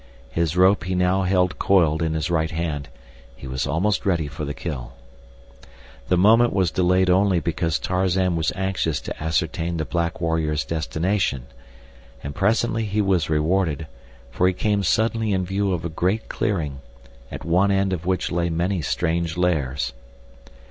His rope he now held coiled in his right hand; he was almost ready for the kill. The moment was delayed only because Tarzan was anxious to ascertain the black warrior's destination, and presently he was rewarded, for they came suddenly in view of a great clearing, at one end of which lay many strange lairs.